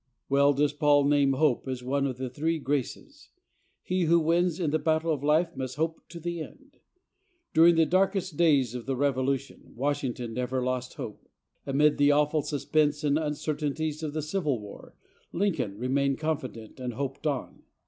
Well does Paul name hope as one of the three graces. He who wins in the battle of life must "hope to the end." During the darkest days of the Revolution, Washington never lost hope. Amid the awful suspense and uncertainties of the Civil War, Lincoln remained confident and hoped on.